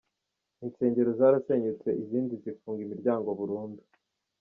Insengero zarasenyutse izindi zifunga imiryango burundu.